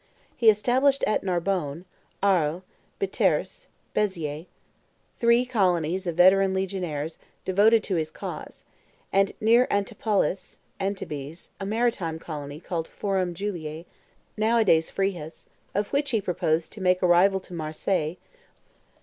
He established at Narbonne, Arles, Biterrce (Beziers) three colonies of veteran legionaries devoted to his cause, and near Antipolis (Antibes) a maritime colony called Forum Julii, nowadays Frejus, of which he proposed to make a rival to Marseilles.